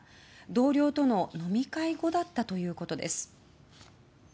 同僚との飲み会後だったということです。